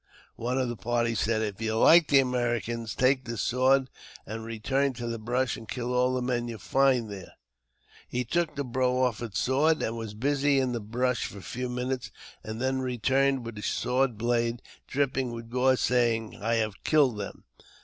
One of our party said, " If you like the Americans, take this sword, and return to the brush, and kill all the men you find there." He took the proffered sword, and was busy in the brush JAMES P. BECKWOUBTH. 403 for a few minutes, and then returned with his sword blade dripping with gore, saying, '' I have killed them."